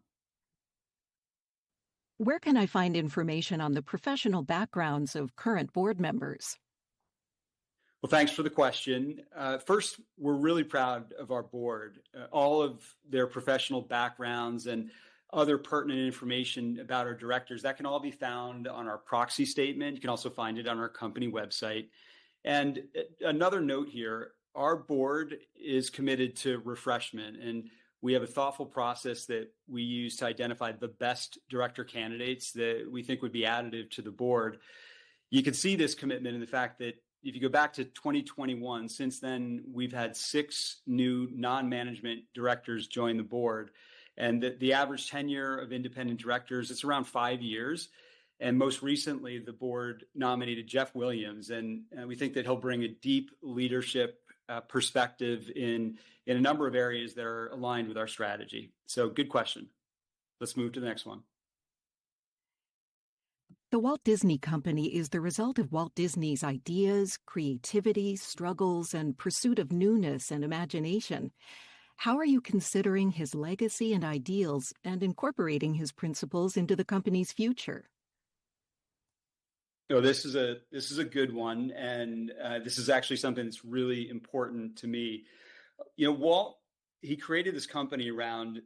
Where can I find information on the professional backgrounds of current board members? Well, thanks for the question. First, we're really proud of our board. All of their professional backgrounds and other pertinent information about our directors, that can all be found on our proxy statement. You can also find it on our company website. Another note here, our board is committed to refreshment, and we have a thoughtful process that we use to identify the best director candidates that we think would be additive to the board. You can see this commitment in the fact that if you go back to 2021, since then, we've had 6 new non-management directors join the board, and the average tenure of independent directors, it's around 5 years. Most recently, the board nominated Jeff Williams, and we think that he'll bring a deep leadership perspective in a number of areas that are aligned with our strategy. Good question. Let's move to the next one. The Walt Disney Company is the result of Walt Disney's ideas, creativity, struggles, and pursuit of newness and imagination. How are you considering his legacy and ideals and incorporating his principles into the company's future? Oh, this is a good one, and this is actually something that's really important to me. You know, Walt, he created this company around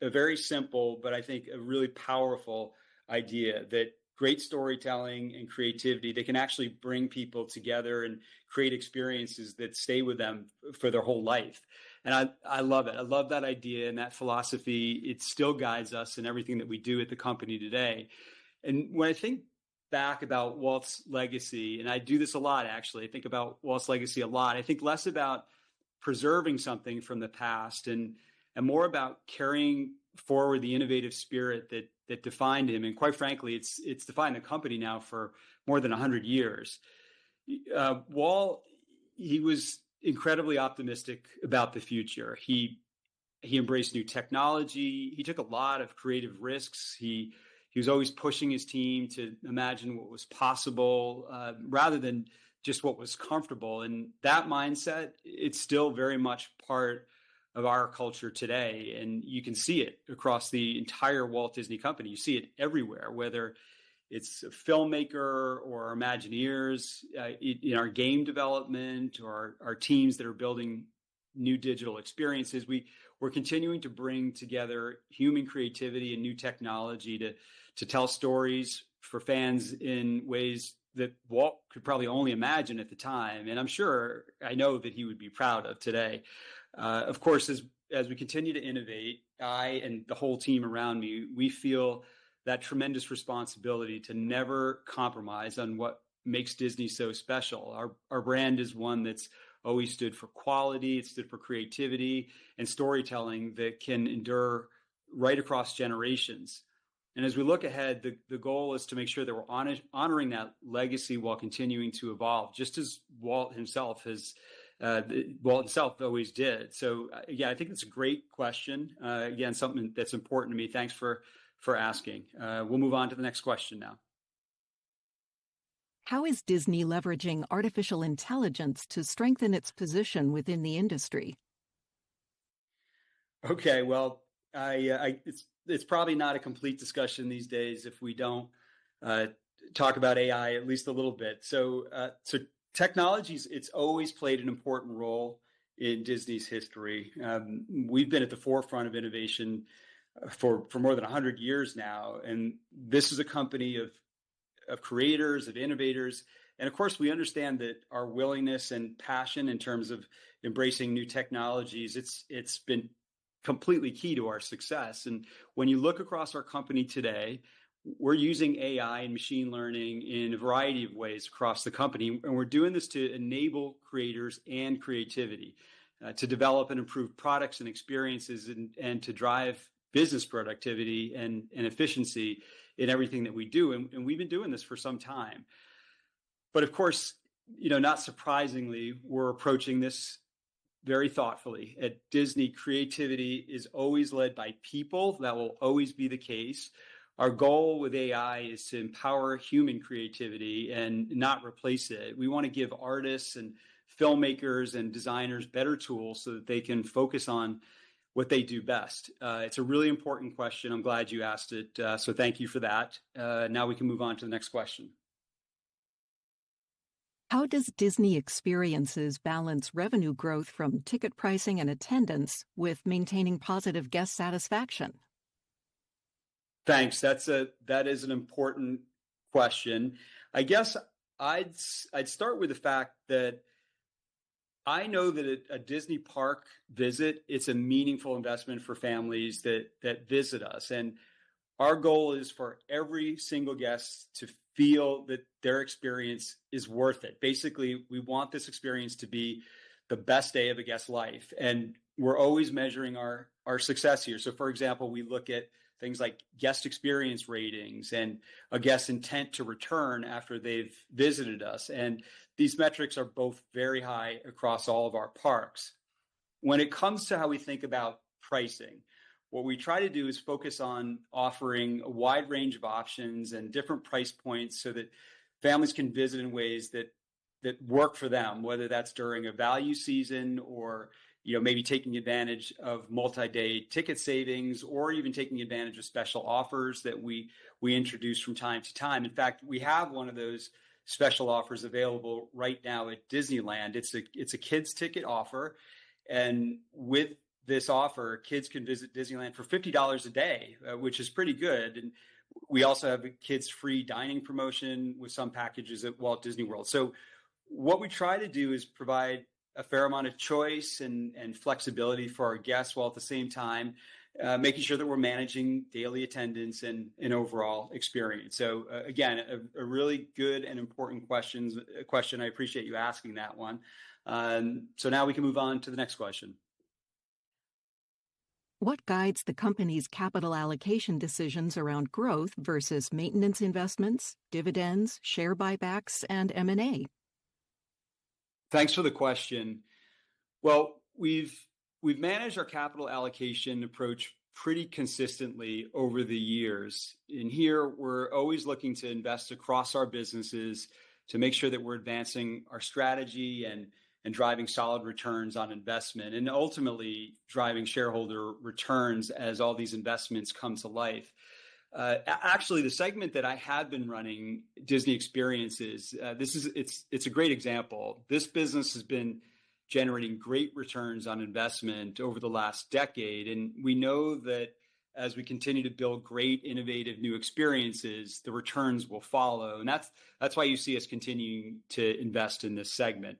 a very simple but I think a really powerful idea that great storytelling and creativity, they can actually bring people together and create experiences that stay with them for their whole life. I love it. I love that idea and that philosophy. It still guides us in everything that we do at the company today. When I think back about Walt's legacy, and I do this a lot, actually, I think about Walt's legacy a lot. I think less about preserving something from the past and more about carrying forward the innovative spirit that defined him, and quite frankly, it's defined the company now for more than a hundred years. Walt, he was incredibly optimistic about the future. He embraced new technology. He took a lot of creative risks. He was always pushing his team to imagine what was possible, rather than just what was comfortable. That mindset, it's still very much part of our culture today, and you can see it across the entire Walt Disney Company. You see it everywhere, whether it's a filmmaker or our Imagineers, in our game development or our teams that are building new digital experiences. We're continuing to bring together human creativity and new technology to tell stories for fans in ways that Walt could probably only imagine at the time, and I'm sure, I know that he would be proud of today. Of course, as we continue to innovate, I and the whole team around me, we feel that tremendous responsibility to never compromise on what makes Disney so special. Our brand is one that's always stood for quality, it's stood for creativity and storytelling that can endure right across generations. As we look ahead, the goal is to make sure that we're honoring that legacy while continuing to evolve, just as Walt himself always did. Yeah, I think that's a great question. Again, something that's important to me. Thanks for asking. We'll move on to the next question now. How is Disney leveraging artificial intelligence to strengthen its position within the industry? Okay. Well, it's probably not a complete discussion these days if we don't talk about AI at least a little bit. Technology's always played an important role in Disney's history. We've been at the forefront of innovation for more than 100 years now, and this is a company of creators, of innovators, and of course, we understand that our willingness and passion in terms of embracing new technologies, it's been completely key to our success. When you look across our company today, we're using AI and machine learning in a variety of ways across the company, and we're doing this to enable creators and creativity, to develop and improve products and experiences and to drive business productivity and efficiency in everything that we do. We've been doing this for some time. Of course, you know, not surprisingly, we're approaching this very thoughtfully. At Disney, creativity is always led by people. That will always be the case. Our goal with AI is to empower human creativity and not replace it. We want to give artists and filmmakers and designers better tools so that they can focus on what they do best. It's a really important question. I'm glad you asked it, so thank you for that. Now we can move on to the next question. How does Disney Experiences balance revenue growth from ticket pricing and attendance with maintaining positive guest satisfaction? Thanks. That is an important question. I guess I'd start with the fact that I know that a Disney park visit, it's a meaningful investment for families that visit us, and our goal is for every single guest to feel that their experience is worth it. Basically, we want this experience to be the best day of a guest's life, and we're always measuring our success here. For example, we look at things like guest experience ratings and a guest's intent to return after they've visited us, and these metrics are both very high across all of our parks. When it comes to how we think about pricing, what we try to do is focus on offering a wide range of options and different price points so that families can visit in ways that work for them, whether that's during a value season or, you know, maybe taking advantage of multi-day ticket savings or even taking advantage of special offers that we introduce from time to time. In fact, we have one of those special offers available right now at Disneyland. It's a kids' ticket offer, and with this offer, kids can visit Disneyland for $50 a day, which is pretty good. We also have a kids' free dining promotion with some packages at Walt Disney World. What we try to do is provide a fair amount of choice and flexibility for our guests, while at the same time, making sure that we're managing daily attendance and overall experience. Again, a really good and important question. I appreciate you asking that one. Now we can move on to the next question. What guides the company's capital allocation decisions around growth versus maintenance investments, dividends, share buybacks, and M&A? Thanks for the question. Well, we've managed our capital allocation approach pretty consistently over the years. Here, we're always looking to invest across our businesses to make sure that we're advancing our strategy and driving solid returns on investment and ultimately driving shareholder returns as all these investments come to life. Actually, the segment that I have been running, Disney Experiences, this is it's a great example. This business has been generating great returns on investment over the last decade, and we know that as we continue to build great, innovative new experiences, the returns will follow. That's why you see us continuing to invest in this segment.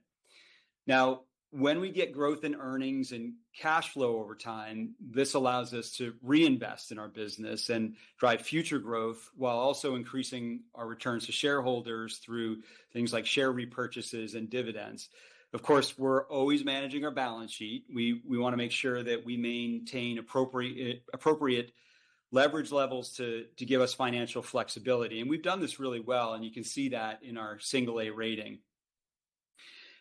Now, when we get growth in earnings and cash flow over time, this allows us to reinvest in our business and drive future growth while also increasing our returns to shareholders through things like share repurchases and dividends. Of course, we're always managing our balance sheet. We want to make sure that we maintain appropriate leverage levels to give us financial flexibility. We've done this really well, and you can see that in our single A rating.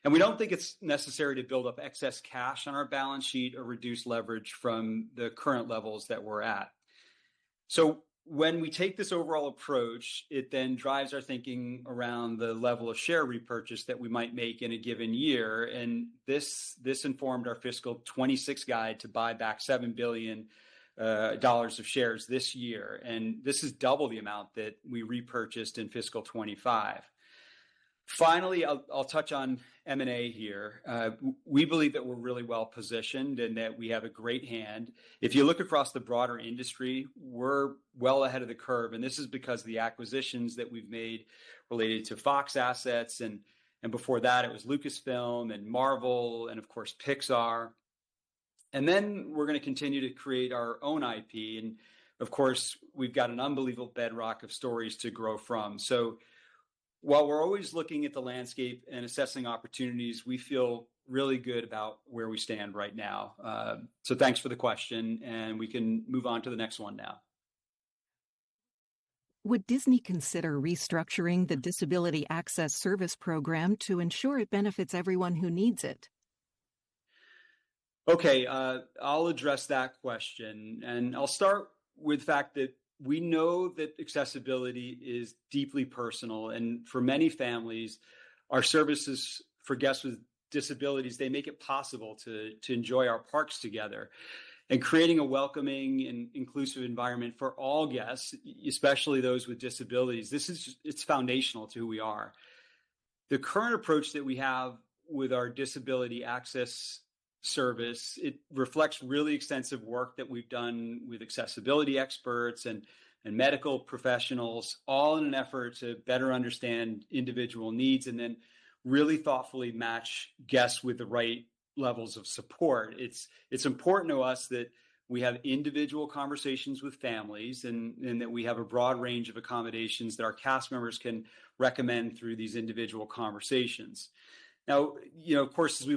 We don't think it's necessary to build up excess cash on our balance sheet or reduce leverage from the current levels that we're at. When we take this overall approach, it then drives our thinking around the level of share repurchase that we might make in a given year, and this informed our fiscal 2026 guide to buy back $7 billion of shares this year, and this is double the amount that we repurchased in fiscal 2025. Finally, I'll touch on M&A here. We believe that we're really well-positioned and that we have a great hand. If you look across the broader industry, we're well ahead of the curve, and this is because of the acquisitions that we've made related to Fox assets and before that it was Lucasfilm and Marvel and of course, Pixar. We're going to continue to create our own IP and, of course, we've got an unbelievable bedrock of stories to grow from. While we're always looking at the landscape and assessing opportunities, we feel really good about where we stand right now. Thanks for the question, and we can move on to the next one now. Would Disney consider restructuring the Disability Access Service program to ensure it benefits everyone who needs it? Okay. I'll address that question, and I'll start with the fact that we know that accessibility is deeply personal, and for many families, our services for guests with disabilities, they make it possible to enjoy our parks together. Creating a welcoming and inclusive environment for all guests, especially those with disabilities, this is. It's foundational to who we are. The current approach that we have with our Disability Access Service, it reflects really extensive work that we've done with accessibility experts and medical professionals, all in an effort to better understand individual needs and then really thoughtfully match guests with the right levels of support. It's important to us that we have individual conversations with families and that we have a broad range of accommodations that our cast members can recommend through these individual conversations. Now, you know, of course, as we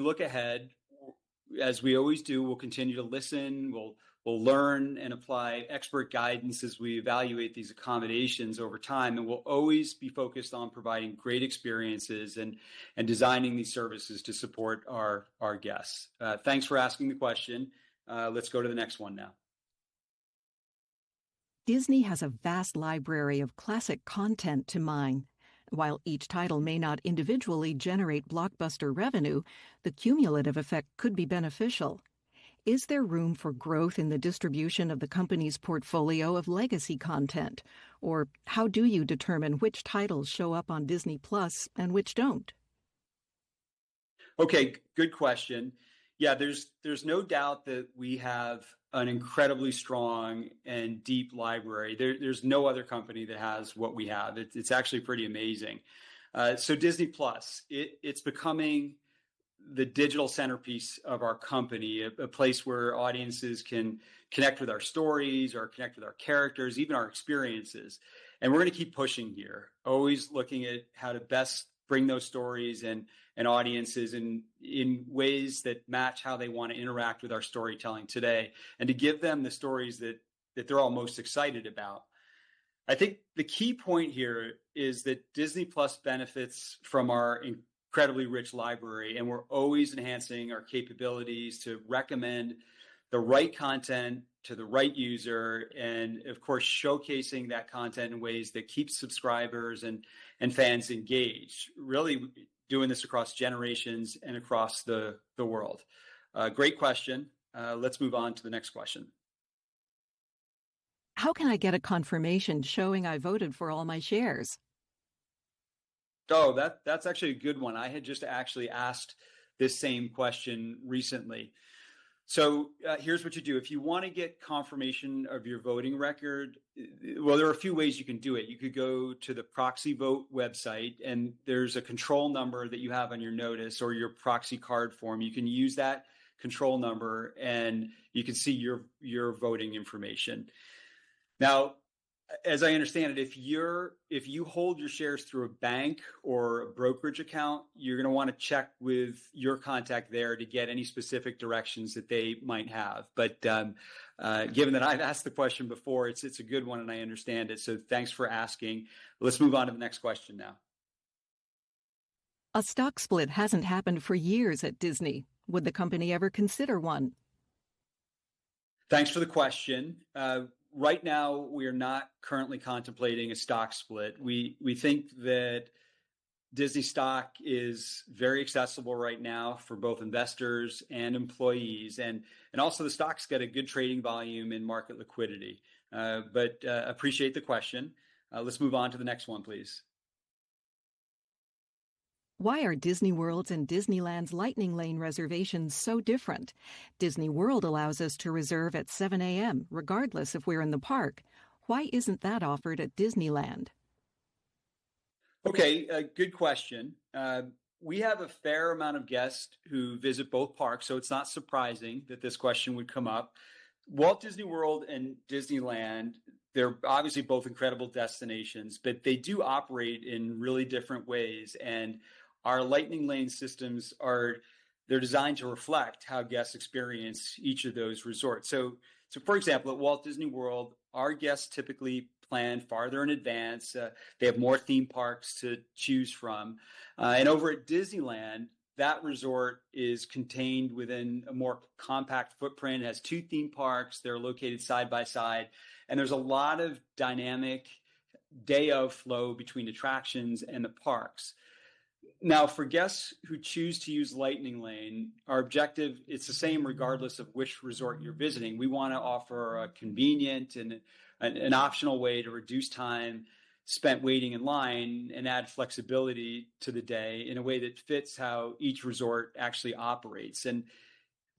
look ahead, as we always do, we'll continue to listen, we'll learn and apply expert guidance as we evaluate these accommodations over time, and we'll always be focused on providing great experiences and designing these services to support our guests. Thanks for asking the question. Let's go to the next one now. Disney has a vast library of classic content to mine. While each title may not individually generate blockbuster revenue, the cumulative effect could be beneficial. Is there room for growth in the distribution of the company's portfolio of legacy content? Or how do you determine which titles show up on Disney+ and which don't? Okay, good question. Yeah, there's no doubt that we have an incredibly strong and deep library. There's no other company that has what we have. It's actually pretty amazing. So Disney+, it's becoming the digital centerpiece of our company. A place where audiences can connect with our stories or connect with our characters, even our experiences. We're gonna keep pushing here, always looking at how to best bring those stories and audiences in ways that match how they wanna interact with our storytelling today and to give them the stories that they're all most excited about. I think the key point here is that Disney+ benefits from our incredibly rich library, and we're always enhancing our capabilities to recommend the right content to the right user and, of course, showcasing that content in ways that keep subscribers and fans engaged. Really doing this across generations and across the world. Great question. Let's move on to the next question. How can I get a confirmation showing I voted for all my shares? Oh, that's actually a good one. I had just actually asked this same question recently. Here's what you do. If you wanna get confirmation of your voting record, well, there are a few ways you can do it. You could go to the proxy vote website, and there's a control number that you have on your notice or your proxy card form. You can use that control number, and you can see your voting information. Now, as I understand it, if you hold your shares through a bank or a brokerage account, you're gonna wanna check with your contact there to get any specific directions that they might have. Given that I've asked the question before, it's a good one and I understand it, so thanks for asking. Let's move on to the next question now. A stock split hasn't happened for years at Disney. Would the company ever consider one? Thanks for the question. Right now, we are not currently contemplating a stock split. We think that Disney stock is very accessible right now for both investors and employees, and also the stock's got a good trading volume and market liquidity. Appreciate the question. Let's move on to the next one, please. Why are Disney World's and Disneyland's Lightning Lane reservations so different? Disney World allows us to reserve at 7:00 AM. regardless if we're in the park. Why isn't that offered at Disneyland? Okay, a good question. We have a fair amount of guests who visit both parks, so it's not surprising that this question would come up. Walt Disney World and Disneyland, they're obviously both incredible destinations, but they do operate in really different ways, and our Lightning Lane systems are designed to reflect how guests experience each of those resorts. So, for example, at Walt Disney World, our guests typically plan farther in advance, they have more theme parks to choose from. And over at Disneyland, that resort is contained within a more compact footprint. It has two theme parks. They're located side by side, and there's a lot of dynamic day-of-flow between attractions and the parks. Now, for guests who choose to use Lightning Lane, our objective, it's the same regardless of which resort you're visiting. We wanna offer a convenient and optional way to reduce time spent waiting in line and add flexibility to the day in a way that fits how each resort actually operates.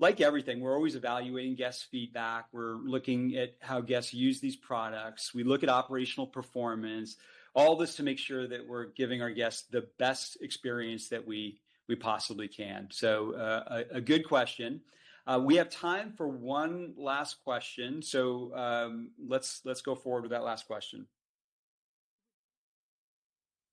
Like everything, we're always evaluating guest feedback. We're looking at how guests use these products. We look at operational performance. All this to make sure that we're giving our guests the best experience that we possibly can. Good question. We have time for one last question. Let's go forward with that last question.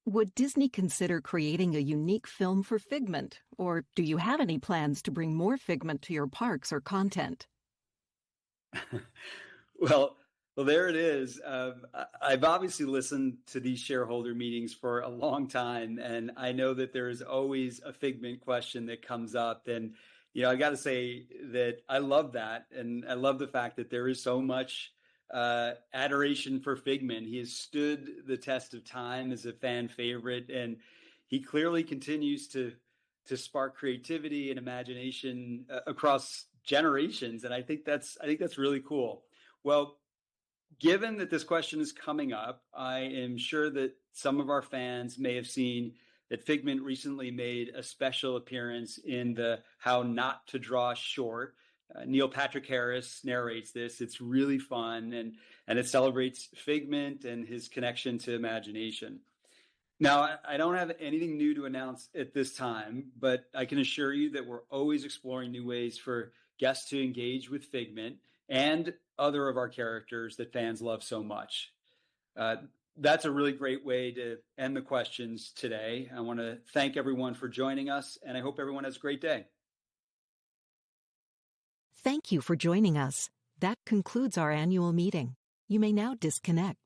Would Disney consider creating a unique film for Figment, or do you have any plans to bring more Figment to your parks or content? Well, well, there it is. I've obviously listened to these shareholder meetings for a long time, and I know that there is always a Figment question that comes up. You know, I gotta say that I love that, and I love the fact that there is so much adoration for Figment. He has stood the test of time as a fan favorite, and he clearly continues to spark creativity and imagination across generations, and I think that's really cool. Well, given that this question is coming up, I am sure that some of our fans may have seen that Figment recently made a special appearance in the How NOT to Draw short. Neil Patrick Harris narrates this. It's really fun, and it celebrates Figment and his connection to imagination. Now, I don't have anything new to announce at this time, but I can assure you that we're always exploring new ways for guests to engage with Figment and other of our characters that fans love so much. That's a really great way to end the questions today. I wanna thank everyone for joining us, and I hope everyone has a great day. Thank you for joining us. That concludes our annual meeting. You may now disconnect.